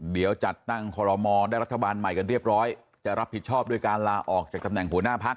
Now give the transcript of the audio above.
เดี๋ยวจัดตั้งคอรมอลได้รัฐบาลใหม่กันเรียบร้อยจะรับผิดชอบด้วยการลาออกจากตำแหน่งหัวหน้าพัก